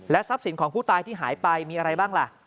ทรัพย์สินของผู้ตายที่หายไปมีอะไรบ้างล่ะ